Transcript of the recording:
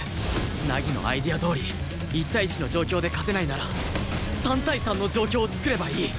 凪のアイデアどおり１対１の状況で勝てないなら３対３の状況を作ればいい